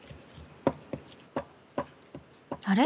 あれ？